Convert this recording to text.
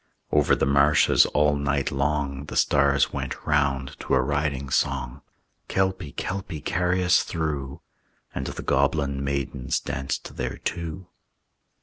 Over the marshes all night long The stars went round to a riding song: "Kelpie, Kelpie, carry us through!" And the goblin maidens danced thereto.